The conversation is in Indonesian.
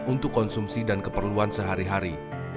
untuk konsumsi dan keperluan sehari hari